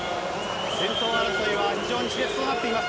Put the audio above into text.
先頭争いは非常にしれつとなっています。